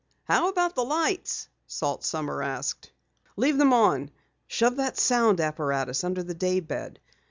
"How about the lights?" Salt Sommers asked. "Leave them on. Shove that sound apparatus under the daybed.